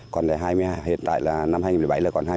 còn hiện tại là năm hai nghìn một mươi bảy là còn hai mươi hai hộ